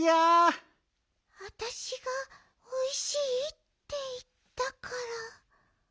わたしが「おいしい」っていったから。